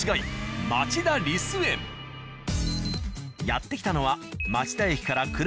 やって来たのは。